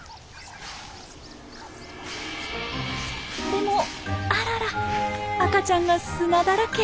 でもあらら赤ちゃんが砂だらけ！